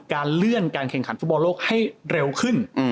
การเลื่อนการแข่งขันฟุตบอลโลกให้เร็วขึ้น